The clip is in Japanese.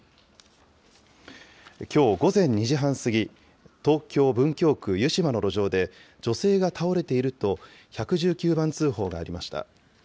きょう午前２時半過ぎ、東京・文京区湯島の路上で、女性が倒れていると１１９番通報がありました。